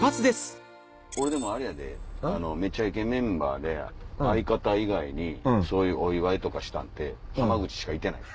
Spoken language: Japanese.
俺でもあれやでめちゃイケメンバーで相方以外にそういうお祝いとかしたんて濱口しかいてない。